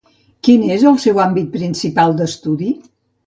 Quin és el seu àmbit principal d'estudi?